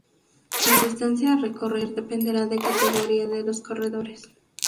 La distancia a recorrer dependerá de categoría de los corredores.